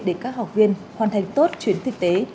để các học viên hoàn thành tốt chuyến thực tế